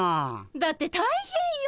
だって大変よ。